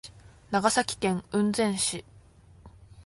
長崎県雲仙市